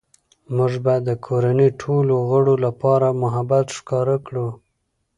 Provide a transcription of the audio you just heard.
موږ باید د کورنۍ ټولو غړو لپاره محبت ښکاره کړو